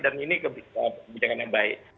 dan ini kebijakan yang baik